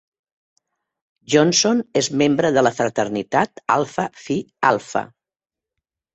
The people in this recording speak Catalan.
Johnson és membre de la fraternitat Alpha Phi Alpha.